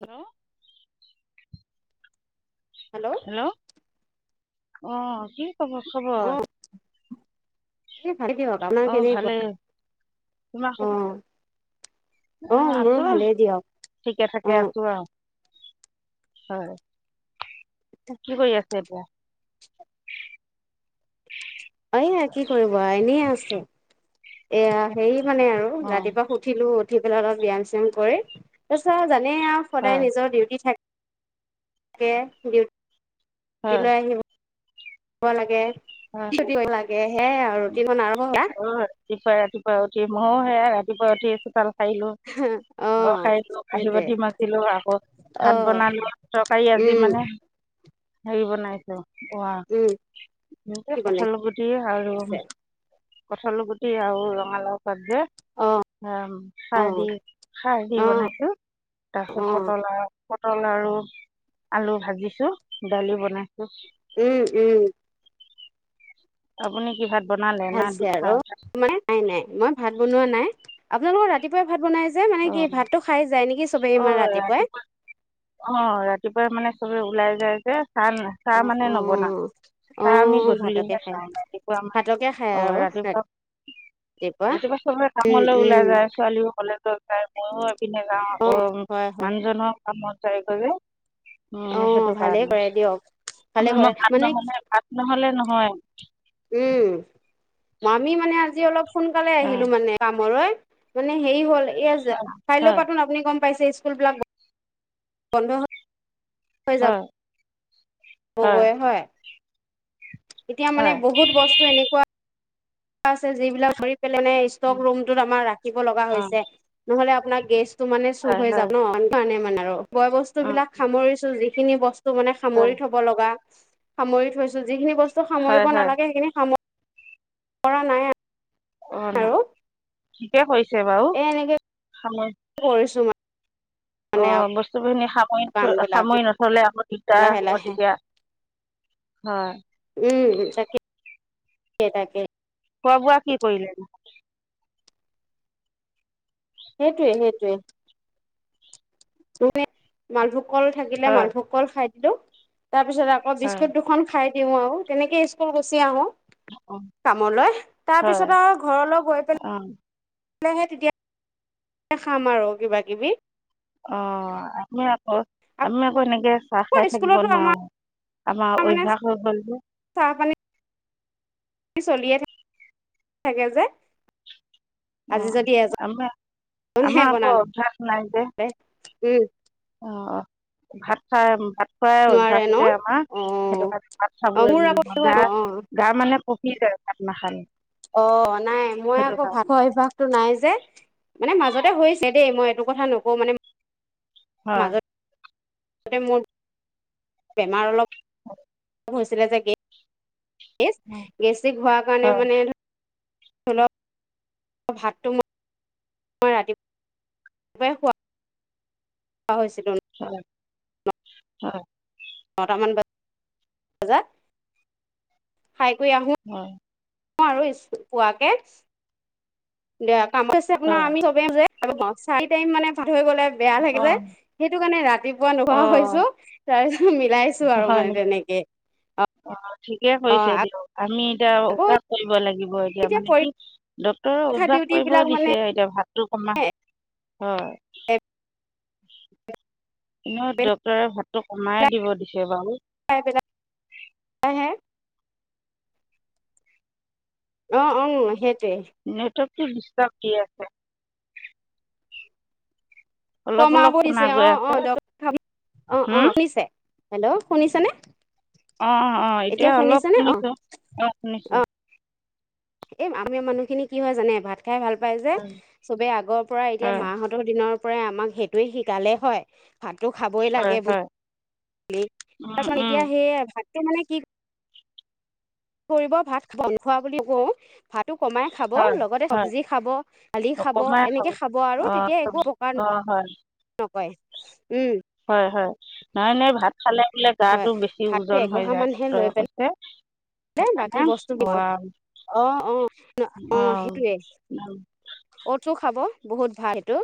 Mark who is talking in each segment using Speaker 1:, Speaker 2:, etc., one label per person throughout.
Speaker 1: Hello
Speaker 2: hello
Speaker 1: অ কি খবৰ খবৰ
Speaker 2: অ এই ভালে দিয়ক আপোনাৰ
Speaker 1: অহ
Speaker 2: কেনেকুৱা
Speaker 1: ভালেই তোমাৰ
Speaker 2: অ
Speaker 1: কব অ
Speaker 2: মোৰো
Speaker 1: আছো
Speaker 2: ভালেই দিয়ক
Speaker 1: ঠিকে
Speaker 2: অ
Speaker 1: থাকে আছো আৰু হয় কি কৰি আছে এতিয়া
Speaker 2: এয়া কি কৰিব এনেই আছো এয়া হে মানে আৰু
Speaker 1: অ
Speaker 2: ৰাতিপুৱা উঠিলো উঠি পেলাই অলপ ব্যায়াম চয়াম কৰি তাৰ পাছত জানে আৰু সদায়
Speaker 1: হয়
Speaker 2: নিজৰ ডিউটি থাকে ডিউটি
Speaker 1: হয়
Speaker 2: লৈ আহিব লাগে
Speaker 1: অ
Speaker 2: ডিউটি কৰিব লাগে সেয়াই আৰু ৰুটিনখন আৰম্ভ কৰা
Speaker 1: অ ৰাতিপুৱা ৰাতিপুৱা উঠী মোৰ সেইয়া ৰাতি [unintelligible] সাৰিলো
Speaker 2: অ
Speaker 1: ঘৰ সাৰিলো কাঁহী
Speaker 2: সেইটোৱে
Speaker 1: বতি মাজিলো আকৌ
Speaker 2: অ
Speaker 1: ভাত বনালো তৰকাৰী আজি
Speaker 2: উম
Speaker 1: মানে হেৰি বনাইছো
Speaker 2: উম কি
Speaker 1: কঠাঁল
Speaker 2: বনাইছে
Speaker 1: গুটি আৰু কঠাঠল গুটি আৰু ৰঙালাও পাত যে
Speaker 2: অ
Speaker 1: আ
Speaker 2: অ
Speaker 1: খাৰ দি খাৰ দি
Speaker 2: অ অ
Speaker 1: বনাইছো তাৰপিছত
Speaker 2: উম
Speaker 1: পটল আ পটল আৰু আলু ভাজিছো দালি বনাইছো
Speaker 2: উম উম
Speaker 1: আপুনি কি ভাত বনালে না
Speaker 2: ভালছে আৰু নাই নাই মই ভাত বনোৱা নাই আপোনালোকৰ ৰাতিপুৱাই ভাত বনাই যে মানে
Speaker 1: অ
Speaker 2: কি ভাতটো খাই যায় নেকি চবেই
Speaker 1: অ
Speaker 2: ইমান ৰাতিপুৱাই
Speaker 1: ৰাতিপুৱা অ ৰাতিপুৱা মানে চবে ওলাই যাই যে চাহ চাহ
Speaker 2: অ
Speaker 1: মানে
Speaker 2: অ
Speaker 1: নবনা
Speaker 2: অ
Speaker 1: চাই আমি
Speaker 2: ভাতকে
Speaker 1: গধূলিহে
Speaker 2: খাই
Speaker 1: খাওঁ ৰাতিপুৱা আমাৰ
Speaker 2: ভাতকে খাই
Speaker 1: অ
Speaker 2: আৰু
Speaker 1: ৰাতিপুৱা
Speaker 2: ৰাতিপুৱা
Speaker 1: ৰাতিয়াবা চবে
Speaker 2: উম
Speaker 1: কামলে ওলাই যায় ছোৱালী সকলে ময়ো এইপিনে যাও
Speaker 2: উম অ
Speaker 1: আকৌ
Speaker 2: হয় হয়
Speaker 1: মানুহজনৰ কামত যাই গৈ যে উম
Speaker 2: অ
Speaker 1: সেইটো
Speaker 2: ভালে
Speaker 1: কাৰণেই
Speaker 2: কৰে দিয়ক ভালে কৰে
Speaker 1: ভাত
Speaker 2: মানে
Speaker 1: নহলে ভাত নহলে নহয়
Speaker 2: উম আমি মানে আজি অলপ সোনকালে
Speaker 1: অ'
Speaker 2: আহিলো মানে কামলৈ মানে হেৰি হ'ল এই
Speaker 1: হয়
Speaker 2: কাইলৈও
Speaker 1: হয়
Speaker 2: পাচোন আপুনি গম পাইছে স্কুলবিলাক বন্ধ হয়
Speaker 1: হয়
Speaker 2: গগৈ হয় এতিয়া মানে
Speaker 1: হয়
Speaker 2: বহুত বস্তু এনেকুৱা আছে যিবিলাক পেলে মানে ষ্টক ৰুমটোত আমাৰ ৰাখিব লগা
Speaker 1: অঁ
Speaker 2: হৈছে নহ'লে আপোনাৰ গেছ টো মানে চুৰ
Speaker 1: হয়
Speaker 2: হৈ
Speaker 1: হয়
Speaker 2: যাব ন [unintelligible] কাৰণে মানে আৰু বয় বস্তু
Speaker 1: অঁ
Speaker 2: বিলাক সামৰিছো যিখিনি বস্তু মানে
Speaker 1: হয়
Speaker 2: সামৰি থ'ব লগা সামৰি থৈছো, যিখিনি বস্তু
Speaker 1: হয়
Speaker 2: সামৰিব
Speaker 1: হয়
Speaker 2: নালাগে সেইখিনি সাম মৰা নাই আৰু।
Speaker 1: অ' ন ঠিকে কৰিছে বাৰু।
Speaker 2: এ এনেকে কৰিছো মই
Speaker 1: অ' বস্তুখিনি সামৰি
Speaker 2: কাম
Speaker 1: থৈ
Speaker 2: বিলাক
Speaker 1: সামৰি নথ'লে আকৌ দিগদাৰ
Speaker 2: লাহে
Speaker 1: হ'ব
Speaker 2: লাহে
Speaker 1: তেতিয়া, হয়।
Speaker 2: উম, তাকে-তাকে।
Speaker 1: খোৱা বোৱা কি কৰিলে নো।
Speaker 2: সেইটোৱে-সেইটোৱে, [unintelligible] মালভোগ কল থাকিলে
Speaker 1: হয়
Speaker 2: মালভোগ কল খাই দিলো, তাৰপিছত আকৌ
Speaker 1: হয়
Speaker 2: বিস্কুট দুখন খাই দিও আৰু তেনেকে স্কুল গুচি আহো।
Speaker 1: অ
Speaker 2: কামলৈ,
Speaker 1: হয়
Speaker 2: তাৰপিছত আৰু ঘৰলৈ গৈ পেলা
Speaker 1: অ
Speaker 2: হে তেতিয়া খাম আৰু কিবা কিবি।
Speaker 1: অ আমি আকৌ এনেকে চাহ খাই
Speaker 2: আকৌ
Speaker 1: থাকিব
Speaker 2: স্কুলতো আমাৰ
Speaker 1: নোৱাৰো, আমাৰ
Speaker 2: মানে
Speaker 1: অভ্যাস হৈ গ'ল যে।
Speaker 2: [unintelligible] চলিয়ে থাক, [unintelligible] থাকে যে। আজি যদি
Speaker 1: অ' আমা
Speaker 2: এজনহে
Speaker 1: আমাৰ আকৌ
Speaker 2: বনালে
Speaker 1: অভ্যাস নাই যে।
Speaker 2: উম।
Speaker 1: অ' ভাত খাই ভাত খোৱাই
Speaker 2: নোৱাৰে
Speaker 1: অভ্যাস
Speaker 2: ন
Speaker 1: যে আমাৰ
Speaker 2: অ
Speaker 1: সেইটো কাৰণে ভাত
Speaker 2: অ মোৰ আকৌ
Speaker 1: [unintelligible]
Speaker 2: অ
Speaker 1: গা মানে কপি যায় ভাত নাখালে।
Speaker 2: অ' নাই মই
Speaker 1: সেইটো
Speaker 2: আকৌ
Speaker 1: কাৰণে
Speaker 2: ভাতখোৱা অভ্যাসটো নাই যে। মানে মাজতে হৈছে দেই মই এইটো কথা নকওঁ মানে
Speaker 1: হয়।
Speaker 2: মাজতে মোৰ বেমাৰ অলপ
Speaker 1: [inaudible]
Speaker 2: হৈছিলে যে, [unintelligible] গেষ্টিক হোৱাৰ কাৰণে
Speaker 1: হয়
Speaker 2: মানে [unintelligible] ভাতটো মই [unintelligible] ৰাতিপুৱাই খুৱা [unintelligible] হৈছিলোঁ।
Speaker 1: [unintelligible]
Speaker 2: নটামান বজাত খাই কৰি আহো
Speaker 1: হয়
Speaker 2: আৰু [unintelligible] পোৱাকে। দিয়া [unintelligible] আপোনাৰ
Speaker 1: হয়
Speaker 2: আমি [unintelligible] মানে [unintelligible] থৈ গ'লে বেয়া লাগে যে
Speaker 1: অঁ
Speaker 2: সেইটো কাৰণে ৰাতিপুৱা
Speaker 1: অঁ
Speaker 2: নোখোৱা হৈছো, তাৰপিছত মিলাইছো আৰু
Speaker 1: হয়
Speaker 2: মানে
Speaker 1: নেকি
Speaker 2: তেনেকে।
Speaker 1: ঠিকে
Speaker 2: অ
Speaker 1: কৰিছে দিয়ক, আমি এতিয়া
Speaker 2: আকৌ
Speaker 1: অভ্যাস কৰিব লাগিব এতিয়া মানে কি ডক্টৰৰ
Speaker 2: পৰীক্ষা
Speaker 1: অভ্যাস
Speaker 2: ডিউটি
Speaker 1: কৰিব
Speaker 2: বিলাক মানে
Speaker 1: দিছে, এতিয়া ভাতটো কমা, হয়।
Speaker 2: এক
Speaker 1: নহয় ডক্টৰে টো কমাই দিব দিছে বাৰু।
Speaker 2: বেলেগ বেলেগহে অ'-অ' সেই
Speaker 1: নেটৱৰ্কটো দিচটাপ দি আছে। অলপ অলপ
Speaker 2: কমাব
Speaker 1: শুনা
Speaker 2: দিছে
Speaker 1: গৈ
Speaker 2: অ'
Speaker 1: আছে
Speaker 2: অ'- অ-'অ' [unintelligible] শুনিছে। হেল্ল' শুনিছে নে।
Speaker 1: অ'-অ' এতিয়া অলপ
Speaker 2: অ
Speaker 1: শুনিছো, অ' শুনিছো।
Speaker 2: এই আমি মানুহখিনি কি হয় জানে ভাত খাই ভাল পায় যে,
Speaker 1: হয়
Speaker 2: চবেই আগৰ পৰা এতিয়া
Speaker 1: হয়
Speaker 2: মাহঁতৰ দিনৰ আমাক সেইটোয়ে শিকালে হয়। ভাতটো খাবই
Speaker 1: হয়
Speaker 2: লাগে
Speaker 1: হয়
Speaker 2: বুলি।
Speaker 1: উম,
Speaker 2: তাৰপিছত
Speaker 1: উম,
Speaker 2: এতিয়া সেই ভাতটো মানে কি? কৰিব। ভাত বন খোৱা বুলি কওঁ ভাত টো কমাই খাব
Speaker 1: হয়
Speaker 2: লগতে
Speaker 1: হয়
Speaker 2: চব্জি খাব, দালি খাব, এনেকে খাব আৰু
Speaker 1: অঁ
Speaker 2: তেতিয়া একো উপকাৰ নাই।
Speaker 1: অঁ হয়
Speaker 2: নহয়, উম,
Speaker 1: নাই, নাই ভাত খালে বোলে
Speaker 2: হয়
Speaker 1: গাতো বেছি
Speaker 2: ভাতটো
Speaker 1: ওজন হৈ যায় ডক্টৰে কৈছে।
Speaker 2: দেই বাকী
Speaker 1: সেইকাৰণে
Speaker 2: বস্তু, অ', অ'। অ সেইটোৱে
Speaker 1: অ'।
Speaker 2: অটছো খাব বহুত ভাল, সেইটো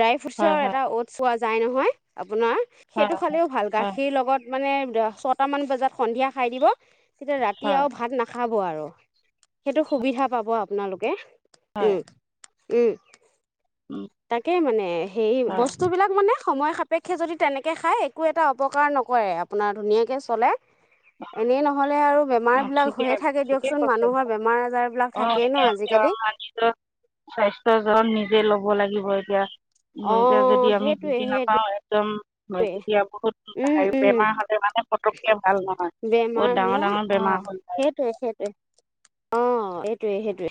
Speaker 2: ড্ৰাই
Speaker 1: হয়
Speaker 2: ফ্ৰুটছৰ
Speaker 1: হয়
Speaker 2: এটা অটছ পোৱা যায় নহয়। আপোনাৰ
Speaker 1: হয়
Speaker 2: সেইটো খালেও ভাল
Speaker 1: হয়
Speaker 2: গাখীৰ লগত মানে ছটামান বজাত সন্ধিয়া খাই দিব। তেতিয়া ৰাতি
Speaker 1: হয়
Speaker 2: আৰু ভাত নাখাব আৰু সেইটো সুবিধা পাব আপোনালোকে।
Speaker 1: হয়
Speaker 2: উ'ম, উ'ম
Speaker 1: উম,
Speaker 2: তাকে মানে, সেই
Speaker 1: হয়
Speaker 2: বস্তু বিলাক মানে, সময় সাপেক্ষে যদি তেনেকে খায় একো এটা অপকাৰ নকৰে, আপোনাৰ ধুনীয়াকে চলে। এনেই নহলে আৰু বেমাৰ
Speaker 1: অঁ
Speaker 2: বিলাক
Speaker 1: ঠিকে
Speaker 2: হৈয়ে থাকে
Speaker 1: ঠিকে
Speaker 2: দিয়কচোন
Speaker 1: কৈছে
Speaker 2: মানুহৰ
Speaker 1: বাৰু
Speaker 2: বেমাৰ -আজাৰ বিলাক থাকেই ন আজিকালি।
Speaker 1: স্বাস্থ্যৰ যত্ন নিজে ল'ব লাগিব এতিয়া। শুওঁতে
Speaker 2: অঁ
Speaker 1: যদি আমি
Speaker 2: সেইটোৱে
Speaker 1: বুজি
Speaker 2: সেইটোৱে
Speaker 1: নাপাই একদম। হয়, যেতিয়া বহুত
Speaker 2: উম
Speaker 1: হেৰি
Speaker 2: উম।
Speaker 1: বেমাৰ হলে মানে ফটকে ভাল নহয়। বহুত
Speaker 2: বেমাৰ
Speaker 1: ডাঙৰ
Speaker 2: হ'লে
Speaker 1: -ডাঙৰ বেমাৰ হৈ যায়
Speaker 2: সেইটোৱে, সেইটোৱে অ', এইটোৱে, সেইটোৱে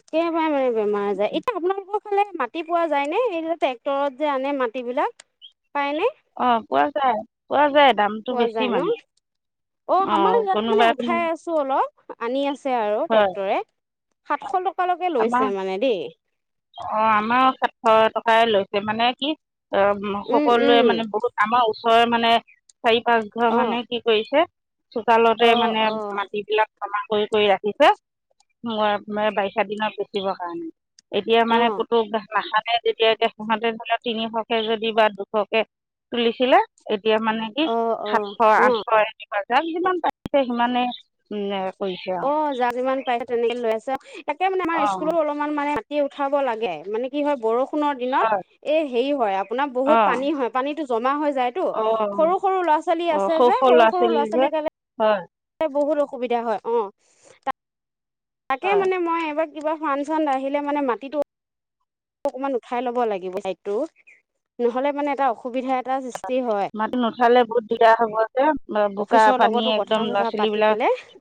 Speaker 2: একেবাৰে মানে বেমাৰ আজাৰ এতিয়া আপোনালোকৰ এইফালে মাটি পোৱা যায় নে, এই ট্ৰেক্টৰত যে আনে মাটিবিলাক পায়নে।
Speaker 1: অ', পোৱা যায়, পোৱা যায়। দামটো
Speaker 2: পোৱা
Speaker 1: বেছি
Speaker 2: যায় ন।
Speaker 1: মানে
Speaker 2: অ',
Speaker 1: অঁ
Speaker 2: আমাৰ ইয়াতো মানে
Speaker 1: কোনোবাই কোনোবাই
Speaker 2: উঠাই আছো অলপ। আনি আছে আৰু
Speaker 1: হয়
Speaker 2: ট্ৰেক্টৰে সাতশ টকালৈকে লৈছে মানে দেই।
Speaker 1: অ', আমাৰো সাতশ টকাই লৈছে মানে কি? অ'হ,
Speaker 2: উম
Speaker 1: সকলোৱে
Speaker 2: উম
Speaker 1: মানে বহুত আমাৰ ওচৰৰে মানে চাৰি, পাঁচ ঘৰ
Speaker 2: অ
Speaker 1: মানে কি কৰিছে? চোতালতে
Speaker 2: অ
Speaker 1: মানে
Speaker 2: অ
Speaker 1: মাটিবলাক জমা কৰি- কৰি ৰাখিছে, মই বাৰিষা দিনত পুতিবৰ কাৰণে। এতিয়া
Speaker 2: অ
Speaker 1: মানে কুতুকাখাত যেতিয়াকে তেনেহলে তিনিশ কে যদি বা দুশকে তুলিছিলে এতিয়া মানে কি
Speaker 2: অ অ
Speaker 1: সাতশ,
Speaker 2: অ
Speaker 1: আঠশ এনেকুৱা, যাৰ যিমান পাছে সিমানে। উ'ম। কৰিছে আৰু
Speaker 2: অ', যাৰ যিমান পাই তেনেকে লৈ আছে। একে মানে আমাৰ
Speaker 1: অঁ
Speaker 2: স্কুলৰ অলপমান মানে উঠাব লাগে। মানে কি? হয়, বৰষুণৰ দিনত
Speaker 1: হয়
Speaker 2: এই হেৰি হয় আপোনাৰ বহুত
Speaker 1: অঁ
Speaker 2: পানী হয়। পানীতো যায়তো,
Speaker 1: অঁ
Speaker 2: সৰু- সৰু ল'ৰা ছোৱালী আছে যে সৰু সৰু ল'ৰা ছোৱালী কাৰণে।
Speaker 1: হয়
Speaker 2: বহুত অসুবিধা হয়। অ', তাকে
Speaker 1: হয়
Speaker 2: মানে মই এইবাৰ কিবা ফানচন আহিলে মানে মাটিটো অকমান উঠাই লব লাগিব। চাইডটো নহলে মানে এটা অসুবিধা এটা হয়
Speaker 1: মাতিটো নুথালে বহুত দিগদাৰ হব যে। বোকা,
Speaker 2: অফিচৰ
Speaker 1: পানী
Speaker 2: লগতো কথা
Speaker 1: একদম ল'ৰা
Speaker 2: চথা
Speaker 1: ছোৱালী
Speaker 2: পাতি পেলাই
Speaker 1: বিলাক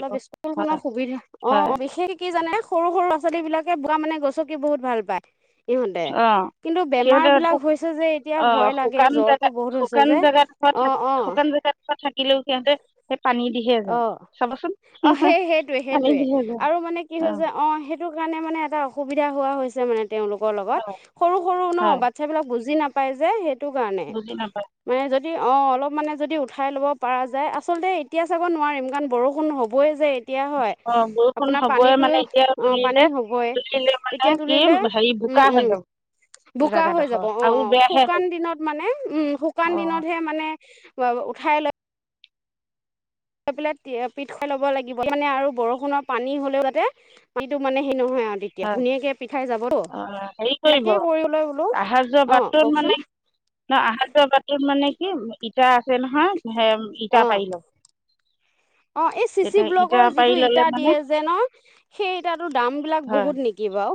Speaker 2: অলপ স্কুল খনৰ সুবিধা অ',
Speaker 1: হয়
Speaker 2: অ' বিশেষ কি জানে? সৰু -সৰু লৰা, ছোৱালী বিলাকে বোকা মানে গছকি বহুত ভাল পায় ইহঁতে।
Speaker 1: অ
Speaker 2: কিন্তু
Speaker 1: সিহঁতে
Speaker 2: বেমাৰ বিলাক হৈছে যে এতিয়া
Speaker 1: অ
Speaker 2: ভয় লাগে।
Speaker 1: শুকান জেগা
Speaker 2: জ্বৰটো বহুত হৈছে
Speaker 1: শুকান
Speaker 2: যে
Speaker 1: জেগাডোখৰত থাক
Speaker 2: অ', অ'।
Speaker 1: শুকান জেগাডোখৰত থাকিলেও সিহঁতে সেই পানী দিহে যায়
Speaker 2: অ',
Speaker 1: চাবচোন
Speaker 2: অ' সেই সেইটোৱে
Speaker 1: পানী
Speaker 2: -সেইটোৱে
Speaker 1: দিহে যায়
Speaker 2: আৰু মানে কি হৈছে? অ', সেইটো মানে এটা অসুবিধা হোৱা হৈছে মানে, তেওঁলোকৰ লগত
Speaker 1: হয়
Speaker 2: সৰু -সৰু ন
Speaker 1: হয়
Speaker 2: বাচ্ছা বিলাক বুজি না পায়। সেইটো কাৰণে
Speaker 1: বুজি নাপায়
Speaker 2: মানে য'ত যদি অ', অলপ মানে যদি উঠাই ল'ব পৰা যায়। আচলতে এতিয়া চাব নোৱাৰিম কাৰণ বৰষুণ হ'বই যে। এতিয়া হয়
Speaker 1: অ', বৰষুণ
Speaker 2: আপোনাৰ
Speaker 1: হবই
Speaker 2: পানীটো
Speaker 1: মানে এতিয়া
Speaker 2: অঁ পানী
Speaker 1: তুলিলে,
Speaker 2: হ'বই
Speaker 1: তুলিলে
Speaker 2: এতিয়া
Speaker 1: মানে কি
Speaker 2: তুলিলে
Speaker 1: হেৰি
Speaker 2: উম
Speaker 1: বোকা হৈ
Speaker 2: উম
Speaker 1: যাব।
Speaker 2: বোকা হৈ যাব।
Speaker 1: জেগাডোখৰ
Speaker 2: অ',
Speaker 1: আৰু
Speaker 2: অ'
Speaker 1: বেয়াহে হৈ
Speaker 2: শুকান দিনত মানে, উ'ম, শুকান
Speaker 1: যাব অ
Speaker 2: দিনতহে মানে উ খাই ল [unintelligible] লৈ পেলাই পিঠ খাই ল'ব লাগিব মানে আৰু বৰষুণৰ পানী হ'লেও যাতে পানীটো মানে হেই নহয় আৰু তেতিয়া
Speaker 1: হয়
Speaker 2: ধুনীয়াকে পিঠাই যাবতো
Speaker 1: অ হেৰি কৰিব
Speaker 2: সেইনোকেই কৰি লৈ বোলো
Speaker 1: অহা যোৱা
Speaker 2: অ
Speaker 1: বাটটোত মানে
Speaker 2: কওকচোন
Speaker 1: ন আহাৰ যোৱা বাতত মানে কি ইটা আছে নহয় ইটা
Speaker 2: অঁ
Speaker 1: পাৰিল
Speaker 2: অ এই চিচি ব্লকৰ যিটো
Speaker 1: ল'লে
Speaker 2: ইটা
Speaker 1: মানে
Speaker 2: দিয়ে যে ন সেই ইটাটোৰ দাম বিলাক
Speaker 1: হয়
Speaker 2: বহুত নেকি বাৰু,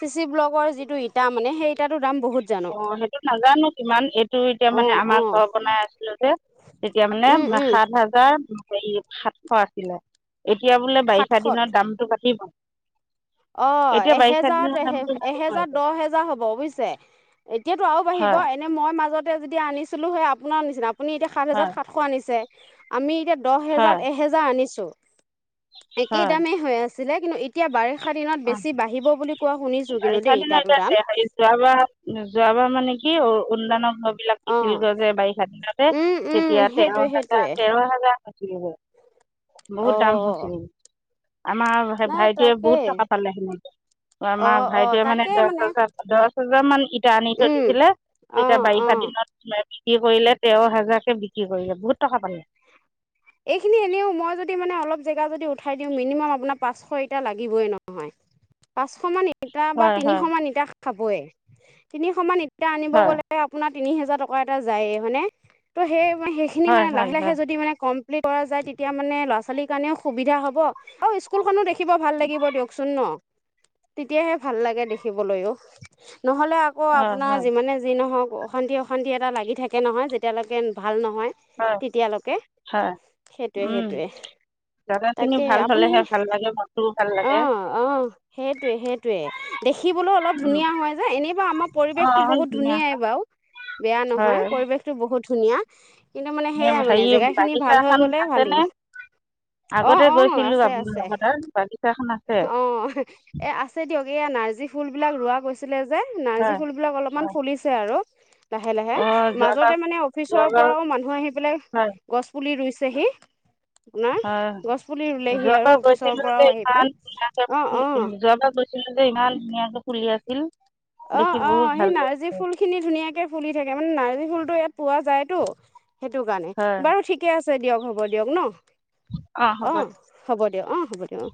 Speaker 2: চিচি ব্লকৰ যিটো ই মানে সেই দাম বহুত জানো
Speaker 1: অ সেইটো নাজানো কিমান এইটো এতিয়া
Speaker 2: অ
Speaker 1: মানে
Speaker 2: অ
Speaker 1: আমাৰ ঘৰ বনাই আছিলো যে তেতিয়া
Speaker 2: উম
Speaker 1: মানে
Speaker 2: উম
Speaker 1: সাত হাজাৰ এই সাতশ আছিলে এতিয়া বোলে বাৰিষা
Speaker 2: সাতশত
Speaker 1: দিনত দামতটো কাটিব
Speaker 2: অ
Speaker 1: দিনত
Speaker 2: এহেজাৰত এহ
Speaker 1: দামটো বাঢ়িব
Speaker 2: এহেজাৰ দহ হেজাৰ হ'ব বুজিছে। এতিয়াতো আৰু বাঢ়িব
Speaker 1: হয়
Speaker 2: এনে মই মাজতে যদি আনিছিলো সেই আপোনাৰ নিচিনা আপুনি এতিয়া সাত হেজাৰ
Speaker 1: হয়
Speaker 2: সাতশ আনিছে। আমি এতিয়া দহ হেজাৰ
Speaker 1: হয়
Speaker 2: এহেজাৰ আনিছো একেই দামেই হৈ আছিলে কিন্তু এতিয়া বাৰে
Speaker 1: অ
Speaker 2: কিন্তু
Speaker 1: বাৰিষা
Speaker 2: দেই
Speaker 1: দিন
Speaker 2: ইটাটোৰ
Speaker 1: [unintelligible]
Speaker 2: দাম
Speaker 1: হেৰি যোৱাবাৰ যোৱাবাৰ মানে কি কি অ উন্নানৰ মাং বিলাক
Speaker 2: অ
Speaker 1: পিছিলগৈ যে বাৰিষা দিনতে
Speaker 2: উম উম
Speaker 1: তেতিয়া তেৰ
Speaker 2: সেইটোৱে
Speaker 1: হাজাৰ
Speaker 2: সেইটোৱে
Speaker 1: তেৰ হাজাৰ বহুত
Speaker 2: অ
Speaker 1: দাম হৈছিল আমাৰ সেই
Speaker 2: নাই
Speaker 1: ভাইটোৱে বহুত
Speaker 2: তাকেই
Speaker 1: টকা পালে
Speaker 2: অ
Speaker 1: আমাৰ
Speaker 2: অ
Speaker 1: ভাইটিয়ে মানে
Speaker 2: তাকে
Speaker 1: দহ হজাৰ, দহ হাজাৰ মান ইটা আনি থৈ
Speaker 2: উম
Speaker 1: দিছিলে।
Speaker 2: অ
Speaker 1: তেতিয়া
Speaker 2: অ
Speaker 1: বাৰিষা দিনত তম [unintelligible] বিক্ৰী কৰিলে তেৰ হোজাৰকে বিক্ৰী কৰিলে বহুত টকা পালে
Speaker 2: এইখিনি এনেও মই যদি মানে অলপ জেগা যদি উঠাই দিওঁ মিনিমাম আপোনাৰ পাঁচশ এটা লাগিবই নহয়। পাঁচশ মান ইটা বা
Speaker 1: হয় হয়
Speaker 2: তিনিশমান ইটা খাবই তিনিশমান ইটা আনিব
Speaker 1: হয়
Speaker 2: গ'লে আপোনাক তিনি হাজাৰ টকা এটা যায় এ হযনে। ত সেই, সেইখিনি
Speaker 1: হয়
Speaker 2: মানে
Speaker 1: হয়
Speaker 2: লাহে লাহে
Speaker 1: হয়
Speaker 2: যদি মানে কম যায় তেতিয়া মানে ল'ৰা ছোৱালীৰ কাৰণেও সুবিধা হব আৰু স্কুলখনো দেখিব ভাল লাগিব দিয়কচোন ন। তেতিয়াহে ভাল লাগে দেখিবলৈও নহ'লে আকৌ
Speaker 1: হয়
Speaker 2: আপোনাৰ
Speaker 1: হয়
Speaker 2: যিমানে যি নহওক অশান্তি অশান্তি এটা লাগি থাকে নহয় যেতিয়ালৈকে ভাল নহয়। নয়
Speaker 1: হয়
Speaker 2: তেতিয়ালৈকে
Speaker 1: হয়
Speaker 2: সেইটোয়ে সেইটোয়ে
Speaker 1: যাদা খিনি
Speaker 2: তাকে
Speaker 1: ভাল
Speaker 2: আপুনি
Speaker 1: হ'লেহে ভাল লাগে মনটোও ভাল লাগে
Speaker 2: আহ, আহ সেইটোয়ে সেইটোয়ে দেখিবলৈ অলপ
Speaker 1: উম
Speaker 2: ধুনীয়া হয় যে এনেই বা আমাৰ
Speaker 1: অ
Speaker 2: পৰিৱেশতো বহুত
Speaker 1: ধুনীয়া
Speaker 2: ধুনীয়াই বাৰু বেয়া নহয়
Speaker 1: হয়
Speaker 2: পৰিৱেশতটো বহুত ধুনীয়া কিন্তু মানে
Speaker 1: এ
Speaker 2: সেয়াই
Speaker 1: হেৰি
Speaker 2: মানে জেগা
Speaker 1: বাগিচা
Speaker 2: ভাল হৈ
Speaker 1: এখন
Speaker 2: গ'লে ভাল
Speaker 1: আছেনে
Speaker 2: অ,
Speaker 1: আগতে
Speaker 2: অ
Speaker 1: গৈছিলো
Speaker 2: আছে আছে
Speaker 1: আপোনালোকৰ তাত বাগিচাখন আছে
Speaker 2: অ এ আছে এই নাৰ্জী ফুল বিলাক ৰোৱা কৈছিলে যে নাৰ্জী
Speaker 1: হয়
Speaker 2: ফুল বিলাক অলপমান ফুলিছে আৰু লাহে লাহে
Speaker 1: অ যোৱাবাৰ
Speaker 2: মাজতে মানে অফিচৰ
Speaker 1: যোৱাবাৰ
Speaker 2: পৰাও মানুহ আহি পেলাই গছ পুলি ৰুইছেহি আপোনাৰ গছ পুলি ৰুলেহি আৰু
Speaker 1: যোৱাৰাব
Speaker 2: অফিচৰ
Speaker 1: গৈছিলো
Speaker 2: পৰাও আহি পেলাই অ', অ',
Speaker 1: যোৱাৰাব গৈছিল আছিল যে ইমান ধুনীয়াকে ফুলি আছিল
Speaker 2: অ,
Speaker 1: দেখি
Speaker 2: অ
Speaker 1: বহুত
Speaker 2: সেই
Speaker 1: ভাল
Speaker 2: নাৰ্জী
Speaker 1: লাগিছে
Speaker 2: ফুল খিনি ধুনীয়াকে ফুলি থাকে মানে নাৰ্জী ফুল ইয়াত পোৱা যায়তো সেইটো কাৰণে
Speaker 1: হয়
Speaker 2: বাৰু ঠিকে আছে দিয়ক হ'ব দিয়ক ন অ হ'ব দ অ হ'ব দিয়ক অ